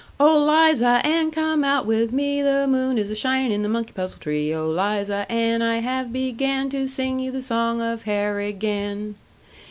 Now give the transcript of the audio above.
"Oh, Liza Ann, come out with me, The moon is a shinin' in the monkey puzzle tree; Oh, Liza Ann, I have began To sing you the song of Harrigan!